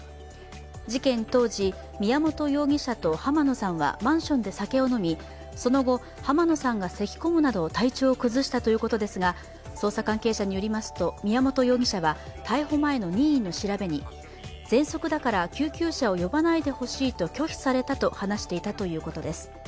事件当時、宮本容疑者と濱野さんはマンションで酒を飲みその後、濱野さんがせきこむなど体調を崩したということですが捜査関係者によりますと、宮本容疑者は逮捕前の任意の調べにぜんそくだから救急車を呼ばないでほしいと拒否されたと話していたということです。